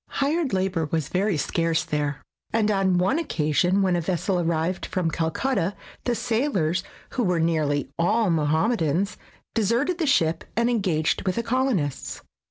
Hired labor was very scarce there, and on one occasion when a vessel arrived from Calcutta, the sailors, who were nearly all Mohammedans, deserted the ship and engaged with the colonists.